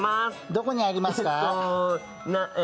どこにありますか？